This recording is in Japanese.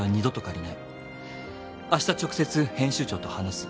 明日直接編集長と話す。